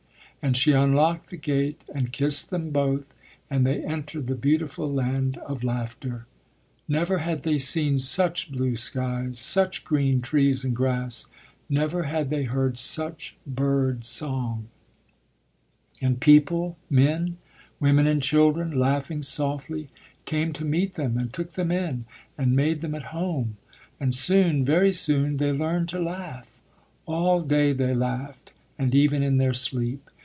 And she unlocked the gate and kissed them both, and they entered the beautiful Land of Laughter. Never had they seen such blue skies, such green trees and grass; never had they heard such bird song. And people, men, women and children, laughing softly, came to meet them, and took them in, and made them at home; and soon, very soon, they learned to laugh. All day they laughed, and even in their sleep.